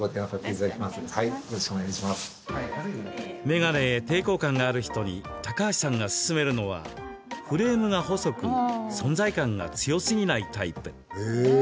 眼鏡へ抵抗感がある人に高橋さんが勧めるのはフレームが細く存在感が強すぎないタイプ。